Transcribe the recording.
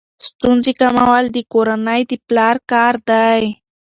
ستونزې کمول د کورنۍ د پلار کار دی.